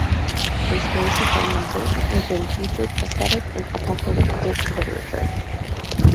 This phrase becomes important within future prophetic and apocalyptic literature.